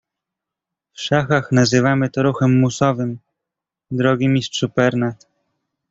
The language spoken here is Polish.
"„W szachach nazywamy to „ruchem musowym“, drogi mistrzu Pernat!"